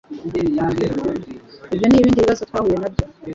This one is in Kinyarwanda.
ibyo n Ibindi bibazo twahuye nabyo